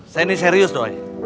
saya ini serius doi